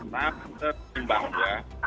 karena kita berkembang ya